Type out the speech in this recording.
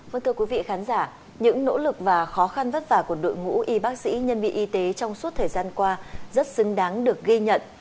vâng thưa quý vị khán giả những nỗ lực và khó khăn vất vả của đội ngũ y bác sĩ nhân viên y tế trong suốt thời gian qua rất xứng đáng được ghi nhận